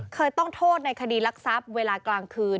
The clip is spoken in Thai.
เคยต้องโทษในคดีรักทรัพย์เวลากลางคืน